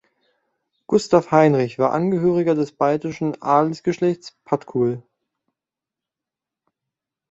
Gustav Heinrich war angehöriger des baltischen Adelsgeschlechts Patkul.